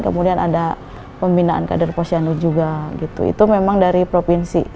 kemudian ada pembinaan kader posyandu juga gitu itu memang dari provinsi